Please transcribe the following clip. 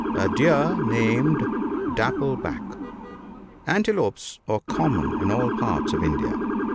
(40.) A deer named Dapple back. — Antelopes are common in all parts of India.